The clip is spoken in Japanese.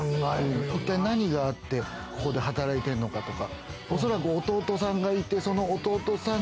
一体何があって、ここで働いてるのかとか。